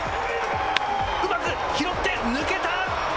うまく拾って、抜けた。